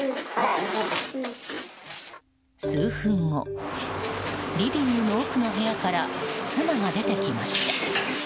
数分後リビングの奥の部屋から妻が出てきました。